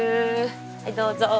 はいどうぞ。